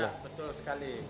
ya betul sekali